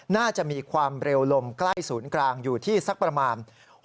น่าจะมีความเร็วลมใกล้ศูนย์กลางอยู่ที่สักประมาณ